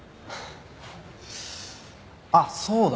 あっそうだ。